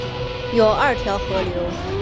有二条河流